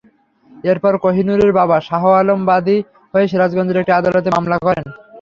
এরপর কোহিনুরের বাবা শাহ আলম বাদী হয়ে সিরাজগঞ্জের একটি আদালতে মামলা করেন।